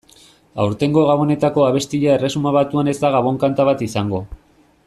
Aurtengo Gabonetako abestia Erresuma Batuan ez da gabon-kanta bat izango.